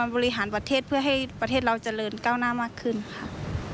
บริหารประเทศเพื่อให้ประเทศเราเจริญก้าวหน้ามากขึ้นค่ะ